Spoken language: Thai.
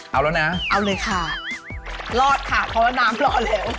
เอาแล้วนะเอาเลยค่ะรอดค่ะเพราะว่าน้ำรอดแล้ว